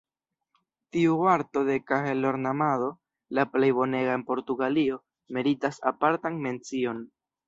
Tiu arto de kahelornamado – la plej bonega en Portugalio – meritas apartan mencion.